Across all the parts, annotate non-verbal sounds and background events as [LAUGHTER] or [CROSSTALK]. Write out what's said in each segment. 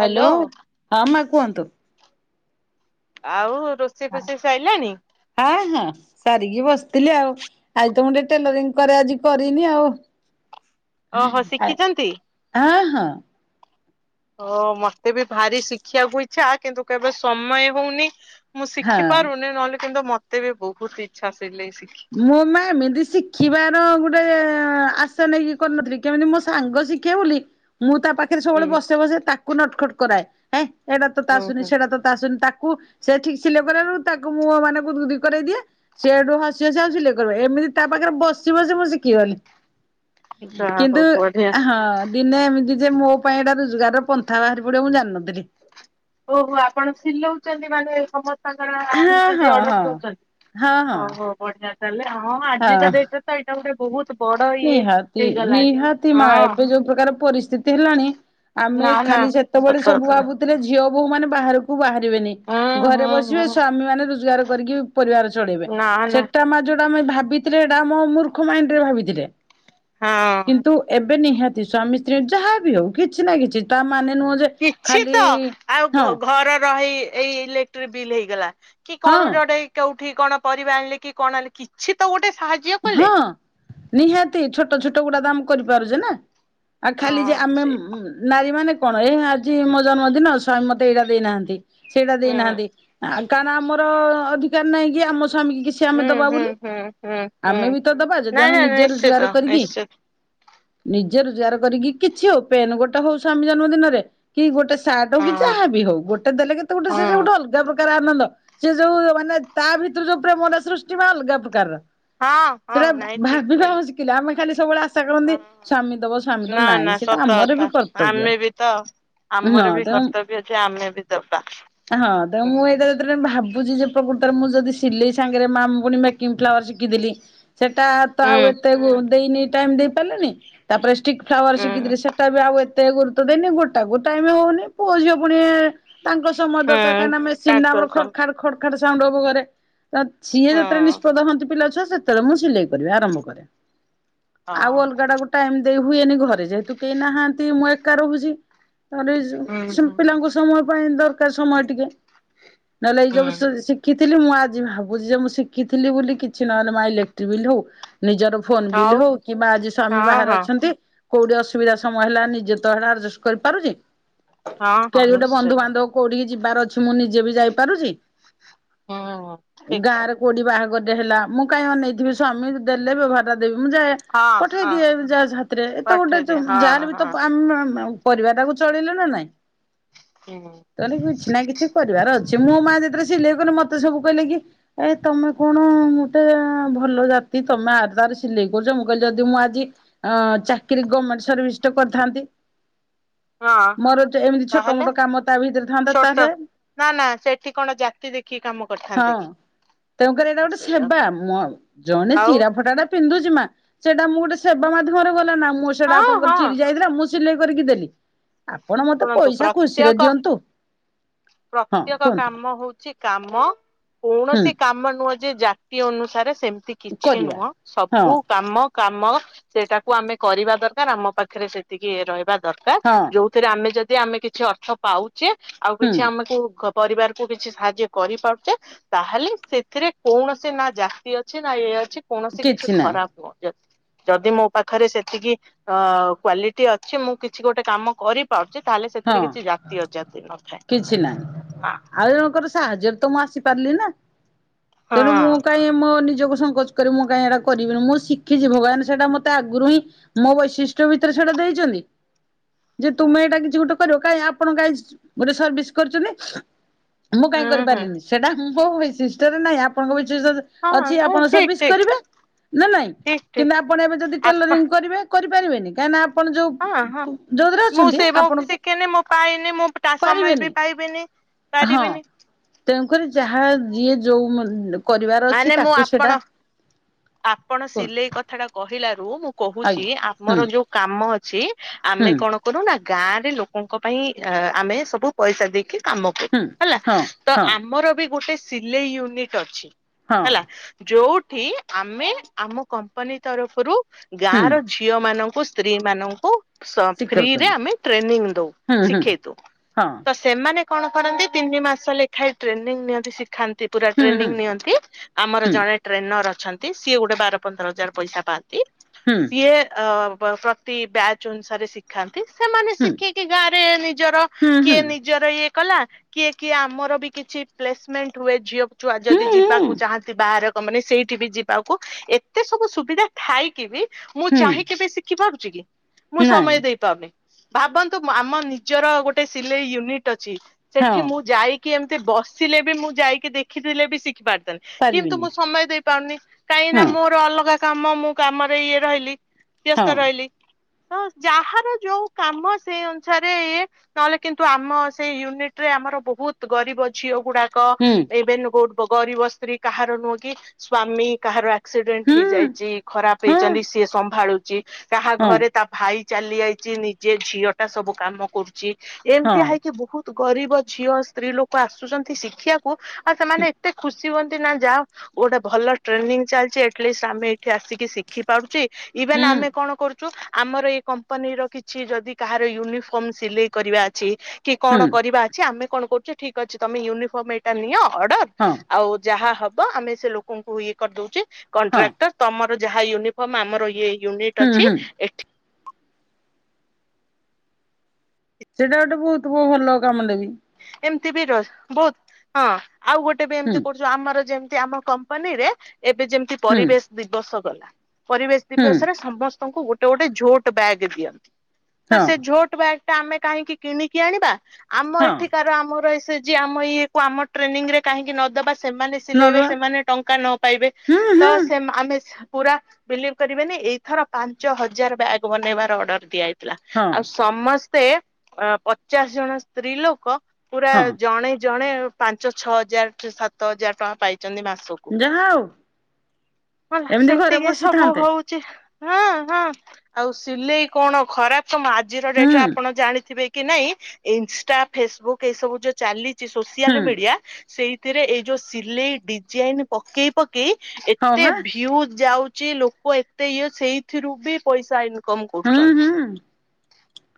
Hello hello ହଁ ମା କୁହନ୍ତୁ? ଆଉ ରୋଷେଇ ଫୋଷେଇ ସାଇଲାଣି? ହଁ ହଁ ସାରିକି ବସିଥିଲି ଆଉ। ଆାଯି ତ ମୁଁ ଟିକେ ଟେଲରିଙ୍ଗ କରେ ଆଜି କରିନି ଆଉ। ଓହୋ ଶିଖିଛନ୍ତି? ଆ ହଁ। ଓ ମତେ ବି ଭାରି ଶିଖିବାକୁ ଇଛା କିନ୍ତୁ କେବେ ସମୟ ହୋଉନି। ମୁଁ ହଁ। ଶିଖି ପାରୁନି ନହେଲେ କିନ୍ତୁ ମୋତେ ବି ବୋହୁତ ଇଛା ସିଲେଇ ଶିଖ ମୋ ମା ଏମିତି ଶିଖିବାର ଗୋଟେ ଆଶା ନେଇକି କରିନଥିଲି କେମିତି ମୋ ସାଙ୍ଗ ଶିଖେ ବୋଲି ମୁଁ ତ ପାଖରେ ହୁଁ ସବୁବେଳେ ବସେ ବସେ ତାକୁ ନଟଖଟ କରାଏଁ ଏଇଟା ତ ତେ ହୁଁ ଆଶୁନି ହୁଁ ସେଟା ତ ଟେ ଆଶୁନି ତାକୁ ସେ ଠିକ୍ ସିଲେଇ କଲାବେଳକୁ ତାକୁ ମୁଁ ମାନେ ଗୁଦୁ ଗୁଦୀ କରେଇ ଦିଏ ସିହେଡୁ ସିଏ ତାର ସିଲେଇ କରେ ଏମିତି ତା ତାପାଖରେ ବସି ବସି ମୁଁ ସିକିଗଲି। ଯାହା କିନ୍ତୁ ହଉ ବଢିଆ। ହଁ। ଦିନେ ଏମିତି ଯେ ମୋ ପାଇଁ ଏଇଟା ରୋଜଗାରର ପନ୍ଥା ବାହାରି ପଡିବ ମୁଁ ଜାଣିନଥିଲି। ଓହୋ ଆପଣ ସିଲଉଛନ୍ତି ମାନେ ସମସ୍ତେ ତାଙ୍କର ହଁ ଆଣୁଚନ୍ତି ହଁ ଅର୍ଡର ହଁ ଦଉଚନ୍ତି ହଁ ହଁ ଓହୋ। ବଢିଆ ତାହେଲେ ହଁ ହଁ। ଆଜିିକା ଡେଟରେ ତ ଏଇଟା ଗୋଟେ ବୋହୁତ ନିହାତି ନିହାତି ମା ହଁ ଏବେ ଯୋଉ ପ୍ରକାର ପରିସ୍ଥିତି ହେଲାଣି ଆମେ ନା ନା ଖାଲି ସେତେବେଳେ ସତ ସବୁ କଥା ଭାବୁ ଥିଲେ ଝିଅ ବୋୂ ମାନେ ବାହାରକୁ ବାହାରିବେନି ହୁଁ ଘରେ ହୁଁ ବସିବେ ହୁଁ ସ୍ଵାମୀ ମାନେ ରୋଜଗାର କରିକି ପରିବାର ଚଳେଇବେ ନା ନା ସେଟା ମା ଯୋଉଟା ଆମେ ଭାବିଥିଲେ ସେଇଟା ଆମ ମୂର୍ଖ ମାଇଣ୍ଡ ରେ ଭାବିଥିଲେ। ହଁ। ତୁ ଏବେ ନିହାତି ସ୍ୱମୀ ସ୍ତ୍ରୀ ଯାହା ବିି ହୋଉ କିଛି ନା କିଛି ତା ମାନେ ନୁହଁ ଯେ କିଛି ଖାଲି ତ ଆଉ ଘ ହଁ ଘରେ ରହି ଏଇ ଇଲେକ୍ଟ୍ରିକ ବିଲ୍ ହେଇଗଲା କି ହଁ କଣ ଗୋଟେ ଗୋଟେ କୋଉଠି କଣ ପରିବା ଆଣିଲେ କି କଣ ଆଣିଲେ କିଛି ତ ଗୋଟେ ସାହାଯ୍ୟ କଲେ। ହଁ ନିହାତି ଛୋଟ ଛୋଟ ଗୁଡା ଦାମ କରିପାରୁଛେ ନା। ଆଉ ଖାଲି ଯେ ହଁ ଆମେ ସେଇଆ। ନାରୀ ମାନେ କଣ ଏ ଆଜି ମୋ ଜନ୍ମଦିନ ସ୍ବାମୀ ମତେ ଏଇଟା ଦେଇନାହାନ୍ତି। ସେଇଟା ହୁଁ ଦେଇନାହାନ୍ତି କାରଣ ଆମର ଅଧିକାର ନାହିଁ କି ଆମ ସ୍ଵାମୀ କିଛି ଆମେ ହୁଁ ଦବା ହୁଁ ବୋଲି ହୁଁ ହୁଁ। ହୁଁ ଆମେ ବି ତ ଦବା ଯଦି ନାଇଁ ଆମେ ନାଇଁ ନିଜେ ନିଶ୍ଚିତ ରୋଜଗାର କରିକି? ନିଶ୍ଚିତ ନିଜେ ରୋଜଗାର କରିକି କିଛି ହୋଉ ପେନ୍ ଗୋଟେ ହୋଉ ସ୍ୱାମୀ ଜନ୍ମ ଦିନରେ କି ଗୋଟେ ଶାଟ୍ ହୋଉ ହଁ କି ଯାହା ବି ହୋଉ ଗୋଟେ ଦେଲେ କେତେ ଗୋଟେ ସେ ହଁ। ଗୋଟେ ଅଲଗା ପ୍ରକାର କାର ଆନନ୍ଦ ସେ ଯୋଉ ମାନେ ତା ଭିତରୁ ଯୋଉ ପ୍ରେମର ସୃଷ୍ଟି ବା ଅଲଗା ପ୍ରକାରର। ହଁ ହଁ ସେଇଟା ନାଇଁ ଠିକ ଭାବିିବା କହିଲେ ଶିଖିଲେ ଆମେ ଖାଲି ସବୁବେଳେ ଆ ଆଶା କରନ୍ତି ହଁ। ସ୍ଵାମୀ ଦବ ସ୍ବାମୀ ନା ଦବ ନା ନାହିଁ ସେଇଟା ସତ ଆମର କଥା ବି କର୍ତ୍ତବ୍ୟ। ଆମେ ବି ତ ହଁ ଆମର ବି ତେଣୁ କର୍ତ୍ତବ୍ୟ ଅଛି ଆମେ ବି ଦବାା। ହଁ ତେଣୁ ମୁଁ ଏଇତ ଯେଳେ ଭାବୁଛିି ଯେ ପ୍ରକୃତରେ ମୁଁ ଯଦି ସିଲେଇ ସାଙ୍ଗରେ ମାମୁଣି ମେକିଙ୍ଗ ଫ୍ଲାୱାର ଶିଖିଥିଲି। ସେଟା ତ ଆଉ ହୁଁ ଏତେ ଦେଇନି ଟାଇମ ଦେଇ ପାରିଲନି ତାପରେଷ୍ଟିକ ଫ୍ଲାୱର ଉଁ ଶିକଖି ସେଟା ବି ଆଉ ଏତ କେତେ ଗୁରୁତ୍ୱ ଦେଇନି ଗୋଟାକୁ ଟାଇମ ହୋଉନି ପୁଅଝଅ ପୁଣି ତାଙ୍କ ସମୟ ଦରକାର ହୁଁ। କାହିଁକିନା ମେସିନ୍ ଟା ତାଙ୍କ ଆମର ଖଡ ସମ ଖାଡ ଖଡ ଖାଡ ସାଉଣ୍ଡ ହବ ଘରେ। ତ ସିଏ ହଁ ଯେତେବେଳେ ନିଷ୍ପଦ ହୁଅନ୍ତି ପିଲାଛୁଆ ସେତେବେଳେ ମୁଁ ସିଲେଇ କରିବା ଆରମ୍ଭ କରେ। ଆଉ ହଁ ଅଲଗା ଟା ଗୋଟେ ଏମିତି ଦେଇ ହୁଏନି ଘରେ ଯେହେତୁ କେହି ନାହାନ୍ତି ମୁଁ ଏକା ରହୁଛି। ତାପରେ ଏଇ ହୁଁ ଯୋଉ ହୁଁ। ପିଲାଙ୍କୁ ସମୟ ପାଇଁ ଦରକାର ସମୟ ଟିକେ। ନହେଲେ ଏଇ ଯୋଉ ହୁଁ ଶିଖିଥିଲି ମୁଁ ଆଜି ଭାବୁଛି ଯେ ମୁଁ ଶିଖିଥିଲି ବୋଲି କିଛି ନହେଲେ ମାଇ ଇଲେକ୍ଟ୍ରି ବିଲ ହଉ ନିଜର ଫୋନ ବିଲ୍ ହଉ କିମ୍ବା ଆଜି ସ୍ୱାମୀ ହଁ ବାହାରେ ହଁ ଅଛନ୍ତି କୋଉଠି ଅସୁବିଧା ସମୟ ହେଲା ନିଜେ ତ ହେଟା ଆଡଜଷ୍ଟ କରିପାରୁଛି ହଁ ହଁ କେହି ଗୋଟେ ନିଶ୍ଚିତ ବନ୍ଧୁବାନ୍ଧବ କୋଉଠିକି ଯିବାର ଅଛି ମୁଁ ନିଜେ ବି ଯାଇପାରୁଛି ହୁଁ ଠିକ୍ ଗାଁରେ କୋଉଡି ବାହାଘରଟେ ହେଲା ମୁଁ କାହିଁ ଅନେଇଥିବି ସ୍ୱାମୀ ଦେଲେ ବେଭାରଟା ଦେବି ମୁଁ ଯାଏ। ହଁ ପଠେଇ ହଁ ଦିଏ ଯାହାଜ ହାତରେ ଏ ତ ଗୋଟେ ପଠେଇଦେ ହଁ ଯା ବି ତ ହଁ ଆମ ପରିବାଟାକୁ ଚଳିଇଲେ ନା ନାଇଁ? ହୁଁ। କହିଲି କିଛି ନା କିଛି କରିବାର ଅଛି ମୁଁ ମା ଯେତେବେଳେ ସିଲେଇ କଲି ମତେ ସବୁ କହିଲେ କି ଏ ତମେ କଣଅ ମୋଟେ ଭ ଭଲ ଜାତି ତମେ ଆର ତାର ସିଲେଇ କରୁଛ ମୁଁ କହିଲି ଯଦି ମୁଁ ଆଜି ଅ ଚାକିରି ଗମେଟ ସର୍ଭିସ ଟେ କରିଥାନ୍ତି ହଁ ମୋର ଚ ଏମିତି ଛୋଟ ତାହେଲେ ମୋଟ କାମ ତା ଭିତରେ ଥାନ୍ତା ଛୋଟ ତାହେଲେ ନା ନା ସେଠି କଣ ଜାତି ଦେଖିକି କାମ କରିଥାନ୍ତେ କି। ତେଣୁ କରି ଏଟା ହଁ ଗୋଟେ ସେଇଆ ସେବା ତ ମ ଜଣେ ଆଉ ଚିରା ଫଟାଟା ପିନ୍ଧୁଛି ମା ସେଟା ମୁଁ ଗୋଟେ ସେବା ମାଧ୍ୟମରେ ଗଲା ନା ମୋସ ସେଟା ହଁ ଆପଣଙ୍କର ହଁ ଚିରି ଯାଇଥିଲା ମୁଁ ସିଲେଇ କରିକି ଦେଲି। ଆପଣ ମତେ ଶୁଣନ୍ତୁ ପଇସା ଖୁସିରେ ପ୍ରତ୍ୟେକ ଦିଅନ୍ତୁ ହଁ କୁହନ୍ତୁ? ସେ କାମ ହୁଁ କୌଣସି କାମ ନୁହଁ ଯେ ଜାତି ଅନୁସାରେ ସେମିତି କିଛି କରିବା। ନୁହଁ ହଁ ସବୁ କାମ କାମ ସେଟାକୁ ଆମେ କରିବା ଦରକାର ଆମ ପାଖରେ ସେତିକି ଇଏ ରହିବା ଦରକାର ହଁ ଯଉ ଥିରେ ଆମେ ଯଦି ଆମେ କିଛି ଅର୍ଥ ପାଉଛେ ଆଉ ହୁଁ କିଛି ଆମକୁ କ ପରିବାରକୁ କିଛି ସାହାଯ୍ୟ କରିପାରୁଛେ ତାହେଲେ ସେଥିରେ କୌଣସି ନା ଜାତି ଅଛି ନା ଇଏ ଅଛି କୌଣସି କିଛି ଖରାପ ଅଜାତି। ଯଦି ମୋ ପାଖରେ ସେତିକି ଅ କ୍ଵାଲିଟି ଅଛି ମୁଁ କିଛି ଗୋଟେ କାମ କରିପାରୁଛି ତାହେଲେ ସେଥିରେ ହଁ କିଛି ଜାତି ଅଜାତି ନଥାଏ କିଛି ନାହିଁ। ହ। ଆଉ ଜଣଙ୍କର ସାହାଯ୍ୟରେ ତ ମୁଁ ଆସିପାରିଲି ନା ତେଣୁ ହଁ ମୁଁ କାଇଁ ମୋ ନିଜକୁ ସଂଙ୍କୋଚ କରି ମୁଁ କାହିଁ ଏଟା କରିବିନି ମୁଁ ଶିଖିଚି ଭଗବାନ ସେଟା ମୋତେ ଆଗରୁ ହିଁ ମୋ ବୈଶିଷ୍ଟ୍ୟ ଭିତରେ ସେଟା ଦେଇଛନ୍ତି। ଯେ ତୁମେ ଏଟା କିଛି ଗୋଟେ କରିବ କାଇଁ ଆପଣ କାହିଁ ଗୋଟେ ସର୍ଭିସ କରିଚନ୍ତି? ମୁଁ ହୁଁ କାଇଁ ହୁଁ କରିପାରିଲିନି ସେଟା ମୋହ ବିଶିଷ୍ଟ ରେ ନାହିଁ ଆପଣଙ୍କ ବିସିସ ହଁ ଅଛି ନା ଆପଣ ଠିକ ସର୍ଭିସ୍ ଠିକ କରିବେ ନା ନାଇଁ ଠିକ ଠିକ କିନ୍ତୁ ଆପଣ ଏବେ ଯଦି ଆପଣ ଟେଲରିଂ କରିବେ- କରିପାରିବେନି କାହିଁକି ନା ଆପଣ ହଁ ହଁ ଯୋଉ ଯୋଉଥିରେ ମୁଁ ଅଛନ୍ତି ସେ ମୋ ଆପଣଙ୍କୁ ଶିଖିନି ମୁଁ ପାଇନି ମୁଁ ତା ସମୟ ପାରିବେନି ବି ପାଇବିନି ହଁ ପାରିବିନି। ତେଣୁକରି ଯାହା ଯିଏ ଯୋଉ ମର ଣ୍ଡ ମାନେ ମୁଁ ଆପଣ ଆପଣ କୁହନ୍ତୁ ସିଲେଇ କ କଥାଟା କହିଲାରୁ ମୁଁ କହୁଛି ଆଜ୍ଞା ହୁଁ ଆମର ଯୋଉ କାମ ଅଛି ହୁଁ ଆମେ କଣ କରୁନା ଗାଁରେ ଲୋକଙ୍କ ପାଇଁ ଆମେ ସବୁ ପଇସା ଦେଇକି କାମ କରୁ ହୁଁ ହେଲା ହଁ ତ ହଁ ଆମର ବି ଗୋଟେ ସିଲେଇ ୟୁନିକ ଅଛି ହଁ ହେଲା ଯୋଉଠି ଆମେ ଆମ କମ୍ପାନୀ ତରଫରୁ ହୁଁ ଗାଁର ଝିଅ ମାନଙ୍କୁ ସ୍ତ୍ରୀ ମାନଙ୍କୁ ସ ଫ୍ରିରେ ଶିଖଉଛନ୍ତି ଆମେ ଟ୍ରେନିଂ ଦଉ ହୁଁ ହୁଁ ଶିଖେଇ ଦଉ ହଁ ସେମାନେ କଣ କରନ୍ତି ତିନି ମାସ ଲେଖାଏ ଟ୍ରେନିଂ ନିଅନ୍ତି ଶିଖାନ୍ତି ପୁରା ହୁଁ ଟ୍ରେନିଂ ହୁଁ ନିଅନ୍ତି। ଆମର ହୁଁ ଜଣେ ଟ୍ରେନର ଅଛନ୍ତି ସିଏ ଗୋଟେ ବାର ପନ୍ଦର ହଜାର ପଇସା ପାଆନ୍ତି। ହୁଁ। [UNINTELLIGIBLE] ପ୍ରତି ଅ ବ ପ୍ରତି ବ୍ୟାଚ୍ ଅନୁସାରେ [UNINTELLIGIBLE] ଖାନ୍ତି ସେମାନେ ହୁଁ ଶିଖିକି ଗାଁରେ ନିଜର ହୁଁ ହୁଁ କିଏ ନି ଜର ଇଏ କଲା କିଏ-କିଏ ଆମର ବି କିଛି ପ୍ଲେସମେଣ୍ଟ ହୁଏ ଝିଅକୁ ଛୁଆ ଯଦି ଯିବା ହୁଁ କୁ ଚାହାନ୍ତି ବାହାର କମ୍ପାନୀ ସେଇଠି ବି ଯିବାକୁ ଏତେ ସବୁ ସୁବିଧା ଥାଇକି ବି ମୁଁ ହୁଁ ଚାହିଁକି ବି ଶିଖି ପାରୁଛି କି, ମୁଁ ହୁଁ ନାଇଁ ସମୟ ଦେଇପାରୁନି। ଭାବନ୍ତୁ ମ ଆମ ନିଜର ଗୋଟେ ସିଲେଇ ୟୁନିଟ୍ ଅଛି, ହଁ ସେଠି ମୁଁ ଯାଇ କି ଏମ୍ତି ବସିଲେ ବି ମୁଁ ଯାଇକି ଦେଖିଥିଲେ ବି ଶିଖି [UNINTELLIGIBLE] କିନ୍ତୁ ପାରିବିନି ମୁଁ ସମୟ ଦେଇପାରୁନି, କାଇଁକି ନା ହଁ ମୋର ଅଲଗା କାମ ମୁଁ କାମରେ ଇଏ ରହିଲି ବ୍ୟସ୍ତ ହଁ ରହିଲି, ତ ଯାହାର ଯୋଉ କାମ ସେଇ ଅନୁସାରେ ନହେଲେ କିନ୍ତୁ ଆମ ସେଇ ୟୁନିଟ୍ ରେ ଆମର ବହୁତ୍ ଗରିବ ଝିଅ ଗୁଡ଼ା କ ହୁଁ ଏବେନୁ [UNINTELLIGIBLE] ଗରିବ ସ୍ତ୍ରୀ କାହାର ନୁହଁ, କି ସ୍ଵାମୀ କାହାର ଆସିଡେଣ୍ଟ ହୁଁ ହେଇଯାଇଚି ଖରାପ ହଁ ହେଇଚନ୍ତି ସିଏ ସମ୍ଭାଳୁଚି, କାହା ହଁ ଘରେ ତା ଭାଇ ଚାଲି ଯାଇଚି ନିଜେ ଝିଅଟା ସବୁ କାମ କରୁଚି ହଁ ଏମ୍ତିଆ ହେଇକି ବହୁତ୍ ଗରିବ ଝିଅ ସ୍ତ୍ରୀ ଲୋକ ଆସୁଚନ୍ତି ଶିଖିଆକୁ ଆଉ ସେମାନେ ଏତେ ଖୁ ସି ହୁଅନ୍ତି ନା ଯାହଉ ଗୋଟେ ଭଲ ଟ୍ରେନିଂ ଚାଲ୍ଚି ଆଟଲିଷ୍ଟ ଆମେ ଏଠି ଆସିକି ଶି ଖି ପାରୁଚି ଇଭେନ୍ ହୁଁ ଆମେ କଣ କରୁ ଚୁ ଆମର ଏଇ କମ୍ପାନୀର କିଛି ଯଦି କାହାର ୟୁନିଫର୍ମ ସିଲେଇ କରିବା ଅଛି କି ହୁଁ କଣ କରିବା ଅଛି ଆମେ କଣ କରୁଛୁ ଠିକ୍ ଅଛି ତମେ ୟୁନିଫର୍ମ ଏଇଟା ନିଅ ଅର୍ଡର ହଁ। ଆଉ ଯାହା ହବ ଆମେ ସେ ଲୋକଙ୍କୁ ଇଏ କରିଦଉଚେ ହଁ କଣ୍ଟ୍ରାକ୍ଟର ତମର ଯାହା ୟୁନିଫର୍ମ ଆମର ଇଏ ୟୁନିଟ୍ ହୁଁ ଅଛି, ହୁଁ ଏଠି ସେଇଟା ଗୋଟେ ବହୁତ୍ ଭଲ କାମଟା ବି। ଏମ୍ତି ବି ର ବହୁତ୍ ହଁ ଆଉ ଗୋଟେ ବି ହୁଁ ଏମ୍ତି [UNINTELLIGIBLE] ଯୋଉ ଆମର ଯେମ୍ତି ଆମ କମ୍ପାନୀରେ ଏବେ ଯେମ୍ତି ହୁଁ ପରିବେଶ ଦିବସ ଗଲା, ପରିବେଶ ହୁଁ ଦିବସ ରେ ସମସ୍ତଙ୍କୁ ଗୋଟେ ଗୋଟେ ଝୋଟ୍ ବ୍ୟାଗ୍ ଦିଅ, ତ ହଁ ସେ ଝୋଟ୍ ବ୍ୟାଗ୍ ଟା ଆମେ କାହିଁକି କିଣିକି ଆଣିବା, ଆମ ହଁ ଏଠିକାର ଆମର ଏସ ଏଚ ଜି ଆମ ଇଏକୁ ଆମ ଟ୍ରେନିଂ ରେ କାହିଁକି ନ ଦେବା ସେମାନେ ସିଲେଇବେ ନଦବା ସେମାନେ ଟଙ୍କା ନ ପାଇବେ ହୁଁ ତ ହୁଁ ସେ ସେମ୍ ଆମେ ପୁରା ବିଲିଭ୍ କରିବେନି ଏଇଥର ପାଞ୍ଚ ହଜାର ବ୍ୟାଗ ବନେଇବାର ଅର୍ଡର ଦିଆହେଇଥିଲା, ହଁ ଆଉ ସମସ୍ତେ ଅ ପଚାଶ ଜଣ ସ୍ତ୍ରୀ ଲୋକ ପୁରା ହଁ ଜଣେ-ଜଣେ ପାଞ୍ଚ ଛଅ ହଜାର ସାତ ହଜାର ଟଙ୍କା ପାଇଚନ୍ତି ମାସକୁ। ଯାହା ହଉ [UNINTELLIGIBLE] ଏମିତି ଘରେ ସେତିକି ସବୁ ବସିଥାନ୍ତେ ହଉ ହଁ-ହଁ ଆଉ ସିଲେଇ କଣ ଖରାପ୍ [UNINTELLIGIBLE] ଆଜିର ଡେଟ୍ ହୁଁ ରେ ଆପଣ ଜାଣିଥିବେ କି ନାଇଁ ଇନଷ୍ଟା ଫେସବୁକ୍ ଏଇସବୁ ଯୋଉ ଚାଲି ଚି ହୁଁ ସୋସିଆଲ୍ ମିଡି଼ଆ ସେଇଥିରେ ଏଇ ଯୋଉ ସିଲେଇ ଡିଜାଇନ୍ ପକେଇ-ପକେଇ ହଁ ଏତେ ବା ଭିଉ ଯାଉ ଚି ଲୋକ ଏତେ ଇଏ ସେଇଥିରୁ ବି ପଇସା ଇନକମ୍ ହୁଁ ହୁଁ କରୁଚନ୍ତି।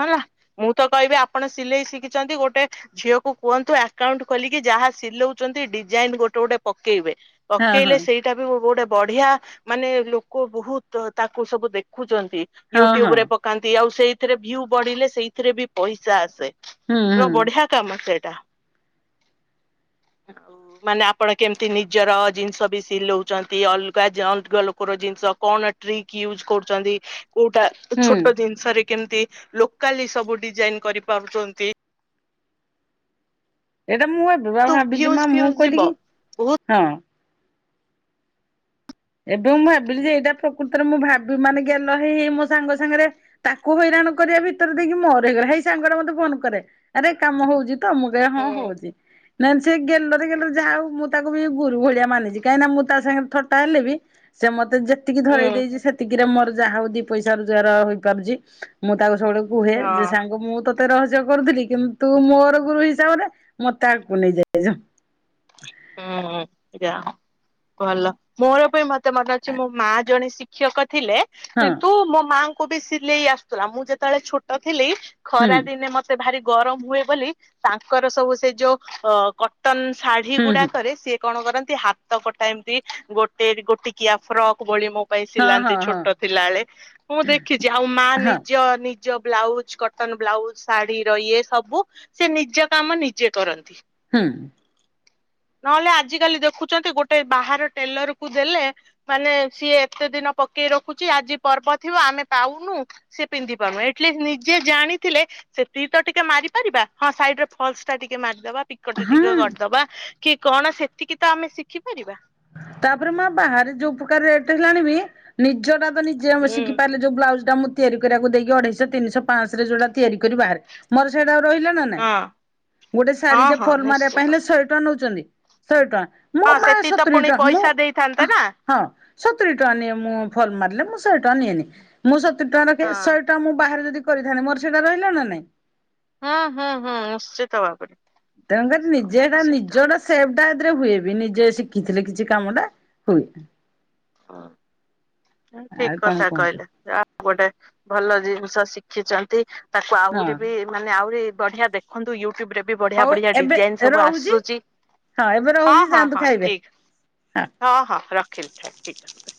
ହେଲା, ମୁଁ ତ କହିବି ଆପଣ ସିଲେଇ ଶିଖିଚନ୍ତି ଗୋଟେ ଝିଅକୁ କୁହନ୍ତୁ ଆକାଉଣ୍ଟ ଖୋଲିକି ଯାହା ସିଲଉଚନ୍ତି ଡିଜାଇନ୍ ଗୋଟେ-ଗୋଟେ ପକେଇବେ। ହଁ ପକେଇଲ ହଁ ସେଇ ଏଟା ବି ଗୋଟେ ବଢି଼ଆ ମାନେ ଲୋକ ବହୁତ୍ ତାକୁ ସବୁ ଦେଖୁଚନ୍ତି। ହଁ ୟୁଟ୍ୟୁବ୍ ହଁ ରେ ପକାନ୍ତି, ଆଉ ସେଇଥେରେ ଭିଉ ବଢି଼ଲେ ସେଇଥେରେ ବି ପଇସା ଆସେ। ହୁଁ ହୁଁ ର ବଢି଼ଆ କାମ ସେଇଟା। ମାନେ ଆପଣ କେମ୍ତି ନିଜର ଜିନିଷ ବି ସିଲୋଉଚନ୍ତି, ଅଲଗା ଜନ୍ ଲୋକର ଜିନିଷ କଣ ଟ୍ରିକ୍ ୟୁଜ୍ କରୁଚନ୍ତି, କୋଉଟା ହୁଁ ଛୋଟ ଜିନିଷରେ କେମିତି ଲୋକାଲି ସବୁ ଡିଜାଇନ କରିପାରୁଛନ୍ତି। ଏଇଟା ମୁଁ ଏବେ ବା ତୁ ଭାବି ଭିୟୁଜ କିନା ଫ୍ୟୁଜ ମୁଁ କହିଲି ଯିବ କି ବହୁତ ହଁ। ଏବେ ମୁଁ ଭାବିଲି ଯେ ଏଇଟା ପ୍ରକୃତରେ ମୁଁ ଭାବି ମାନେ ଗେଲ ହେଇ ହେଇ ମୋ ସାଙ୍ଗ ସାଙ୍ଗରେ। ତାକୁ ହଇରାଣ କରିବା ଭିତରେ ଦେଇକି ମୋର ହେଇଗଲା ହେଇ ସାଙ୍ଗଟା ମତେ ଫୋନ କରେ ଆରେ କାମ ହଉଛି ତ ମୁଁ। ଏବେ ହଁ ହୁଁ ହଉଛି। ନାଇ ସେ ଗେଲରେ ଗେଲରେ ଯାହା ହଉ ମୁଁ ତାକୁ ବି ଗୁରୁ ଭଳିଆ ମାନିଛି କାହିଁକିନା ମୁଁ ତା ସାଙ୍ଗରେ ଥଟ ହେଲେ ବି। ସେ ମତେ ଯେତିକି ହୁଁ ଧରେଇ ଦେଇଛି ସେତିକିରେ ମୋର। ଯାହା ହଉ ଦି ପଇସା ରୋଜଗାର ହୋଇପାରୁଛି ମୁଁ ତାକୁ ସବୁବେଳେ କୁହେ ଯେ ହଁ। ସାଙ୍ଗ ମୁଁ ତ ତତେ ରହସ୍ୟ କରୁଥିଲି କିନ୍ତୁ ତୁ ମୋର ଗୁରୁ ହିସାବରେ ମତେ ଆଗକୁ ନେଇଯାଏ। ହୁଁ ହ ଯା ଭଲ ମୋର ବି ମତେ ମନେ ଅଛି ମୋ ମା ଜଣେ ଶି ଶିକ୍ଷକ ଥିଲେ ହଁ କିନ୍ତୁ ମୋ ମାଙ୍କୁ ବି ସିଲେଇ ଆସୁଥିଲା ମୁଁ ଯେତେବେଳେ ଛୋଟ ଥିଲି ହୁଁ। ଖରା ଦିନେ ମତେ ଭାରି ଗରମ ହୁଏ ବୋଲି ତାଙ୍କର ସବୁ ସେ ଯୋଉ ଅ କ କଟନ ଶାଢ଼ୀ ହୁଁ ଗୁଡ଼ା ହୁଁ ସିଏ କଣ କରନ୍ତି ହାତ କଟା ଏମତି ଗୋଟେ ଗୋଟିକିଆ ଫ୍ରକ୍ ଭଳି ମୋ ପାଇଁ ହଁ ସିଲାନ୍ତି ହଁ ହଁ ଛୋଟ ଥିଲାବେଳେ ମୁଁ ଦେଖିଛି ଆଉ ମା ହଁ ନିଜ ନି ନିଜ ବ୍ଲାଉଜ କଟନ ବ୍ଲାଉଜ ଶାଢ଼ୀର ଇଏ ସବୁ ସେ ନିଜ କାମ ନିଜେ କରନ୍ତି। ହୁଁ। ନହେଲେ ଆଜିକାଲି ଦେଖୁଛନ୍ତି ଗୋଟେ ବାହାର ଟେଲର କୁ ଦେଲେ ମାନେ ସିଏ ଏତେ ଦିନ ପକେଇ ରଖୁଛି ଆଜି ପର୍ବ ଥିବ ଆମେ ପାଉନୁ ସେ ପିନ୍ଧି ପାରୁନି ଏଟଲିଷ୍ଟ୍ ନିଜେ ଜାଣିଥିଲେ ସେତିକି ତ ଟିକେ ମାରିପାରିବା ହଁ ସାଇଡ ରେ ଫଲସ ଟା ଟିକେ ମାରିଦବା। ପିକୋଟା ଟିକେ ହଁ କରିଦବା କି କଣ ସେତିକି ତ ଆମେ ଶିଖିପାରିବା। ତାପରେ ମା ବାହାରେ ଯୋଉ ପ୍ରକାର ରେଟ ହେଲାଣି ବି ନିଜ କାମ ନିଜେ ହୁଁ ଶିଖି ପାରିଲେ ଯୋଉ ବ୍ଲାଉଜ ଟା ମୁଁ ତିଆରି କରିବାକୁ ଦେଇକି ଅଢେଇଶ ତିନିହ ପାଞ୍ଚଶରେ ଜୋଉଟା ତିଆରି କରି ବାହାରେ ମୋର ସେଇଟା ଆଉ ରହିଲା ନା ନାଇଁ ହଁ ଗୋଟେ ହଁ ଶାଢୀଟେ ହଁ ଫୋଲ୍ ମାରିବା ପାଇଁ ନିଶ୍ଚିତ ହେଲେ ସହେ ଟଙ୍କା ନଉଛନ୍ତି ଶହେ ଟଙ୍କା। ମୁଁ ହଁ ମା ସେଠି ତ ସତୁରି ପୁଣି ଟଙ୍କା ମୁଁ ପଇସା ଦେଇଥାନ୍ତେ ନା। ହଁ ସତୁୁରରି ଟଙ୍କା ନିଏ ମୁଁ ଫଲ ମାରିଲେ ମୁଁ ଶହେ ଟଙ୍କା ନିଏନି ମୁଁ ସତୁରି ଟଙ୍କା ରଖେ ହଁ ଶହେ ଟଙ୍କା। ମୁଁ ବାାରେ ଯଦି କରିଥାେ ମୋର ସେଇଟା ରହିଲା ନା ନାଇଁ। ହୁଁ ହୁଁ ହୁଁ ନିଶ୍ଚିତ ଭାବରେ। ତେଣୁ ଏଟା ନିଜେଟା ସେଇଟା ନିଜର ସେ ଟା ଏଥିରେ ହୁଏ ବି ନିଜେ ଶିଖିଥିଲେ କିଛି କାମ ଟା ହୁଏ। ହଁ। ଠିକ ଆଉ କଣ କଥା କୁହନ୍ତୁ କହିଲେ ଆଉ ଗୋଟେ ଭଲ ଜିନିଷ ଶିଖିଛନ୍ତି। ତାକୁ ହଁ ଆହୁରି ବି ମାନେ ଆହୁରି ବଢିଆ ଦେଖନ୍ତୁ ୟୁଟ୍ୟୁବ ରେ ବଢିଆ ହଉ ବଢିଆ ଏବେ ଡିଜାଇନ ସବୁ ରହୁଛି ଆସୁଛି ହଁ ଏବେ ହଁ ରହୁଛି ହଁ ଯାଆନ୍ତୁ ହଁ ଖାଇବେ ଠିକ। ହଁ ହଁ ରଖିଲ ଠିକ୍ ଅ।